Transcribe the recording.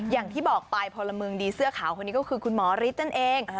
อย่างที่บอกไปพลเมืองดีเสื้อขาวคนนี้ก็คือคุณหมอฤทธิ์นั่นเอง